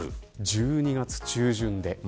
１２月中旬で。